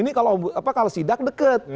di dunia ini kalau sidak deket